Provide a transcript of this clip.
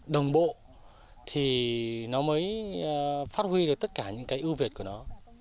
đồng bộ thì nó mới phát huy được tất cả những cái ưu việt của nó